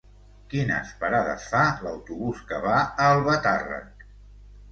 Quines parades fa l'autobús que va a Albatàrrec?